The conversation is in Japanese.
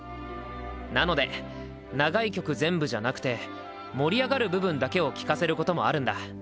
なので長い曲全部じゃなくて盛り上がる部分だけを聴かせることもあるんだ。